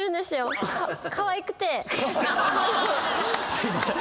すいません。